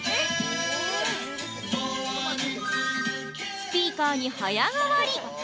◆スピーカーに早変わり！